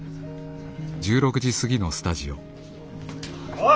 おい！